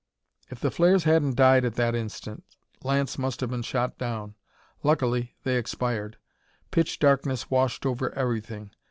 If the flares hadn't died at that instant, Lance must have been shot down. Luckily, they expired; pitch darkness washed over everything.